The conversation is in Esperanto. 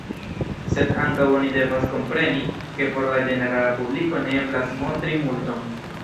Sed ankaŭ oni devas kompreni, ke por la ĝenerala publiko ne eblas montri multon.